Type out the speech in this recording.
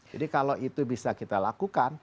jadi kalau itu bisa kita lakukan